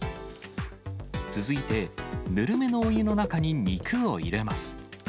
続いて、ぬるめのお湯の中に肉を入れます。